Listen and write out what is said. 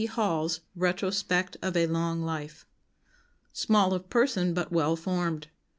Hall's Retrospect of a Long Life.] "Small of person, but well formed.